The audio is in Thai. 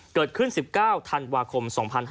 เกิดขึ้น๑๙ธันวาคม๒๕๕๙